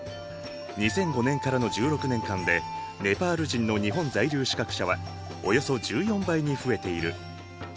２００５年からの１６年間でネパール人の日本在留資格者はおよそ１４倍に増えている。